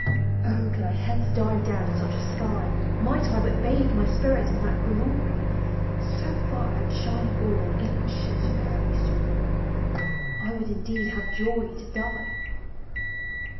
Oh, could I hence dive down to such a sky, Might I but bathe my spirit in that glory, So far outshining all in ancient fairy story, I would indeed have joy to die